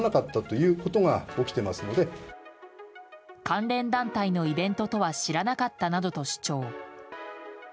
関連団体のイベントとは知らなかったなどと主張。